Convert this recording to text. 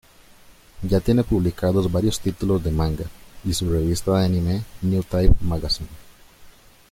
Ya tiene publicados varios títulos de manga, y su revista de anime "Newtype Magazine".